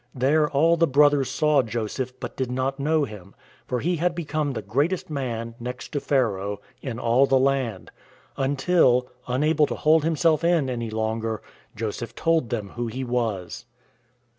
There all the brothers saw Joseph, but did not know him, for he had become the greatest man — next to Pharaoh — in all the land; until (unable to hold himself in any longer) Joseph told them who he was.